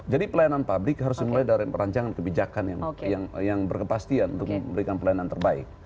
pelayanan publik harus dimulai dari perancangan kebijakan yang berkepastian untuk memberikan pelayanan terbaik